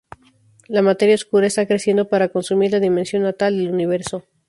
La materia oscura está creciendo para consumir la dimensión natal del universo.